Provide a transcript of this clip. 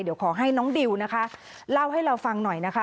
เดี๋ยวขอให้น้องดิวนะคะเล่าให้เราฟังหน่อยนะคะ